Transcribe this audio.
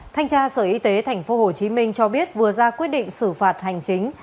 thanh tra sở y tế tp hcm cho biết vừa ra quyết định xử phạt hành chính